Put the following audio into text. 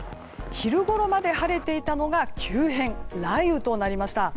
昼頃まで晴れていたのが急変雷雨となりました。